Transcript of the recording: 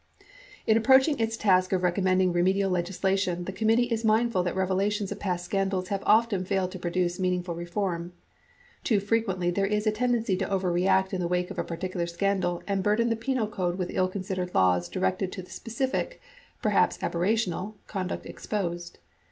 In approaching its task of recommending remedial legislation, the committee is mindful that revelations of past scandals have often failed to produce meaningful reform. Too frequently there is a ten dency to overreact in the wake of a particular scandal and burden the penal code with ill considered laws directed to the specific— perhaps aberrational — conduct exposed.